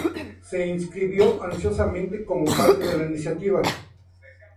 Se inscribió ansiosamente como parte de la Iniciativa.